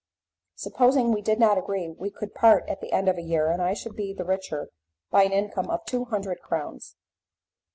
Supposing we did not agree we could part at the end of a year, and I should be the richer by an income of two hundred crowns."